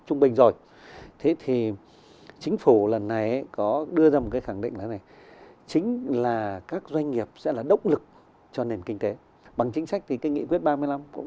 ứng biến linh hoạt và sự trách nhiệm